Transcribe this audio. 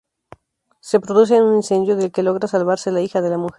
Se produce un incendio, del que logra salvarse la hija de la mujer.